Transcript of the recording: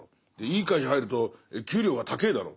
いい会社入ると給料が高ぇだろ。